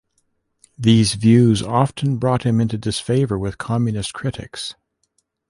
These views often brought him into disfavor with Communist critics.